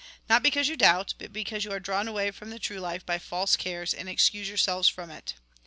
Not because you doubt, but because you are drawn away from the true life by false cares, and excuse yourselves from it.